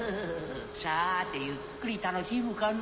さてゆっくり楽しむかな。